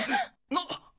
なっ！？